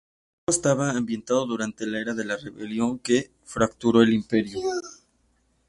El juego estaba ambientado durante la era de la Rebelión que fracturó el Imperio.